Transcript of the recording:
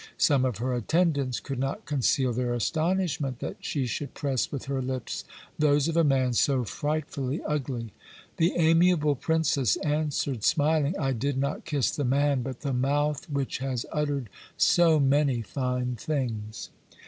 Some of her attendants could not conceal their astonishment that she should press with her lips those of a man so frightfully ugly. The amiable princess answered, smiling, "I did not kiss the man, but the mouth which has uttered so many fine things."